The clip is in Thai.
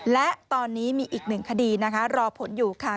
และตอนนี้มีอีกหนึ่งคดีนะคะรอผลอยู่ค่ะ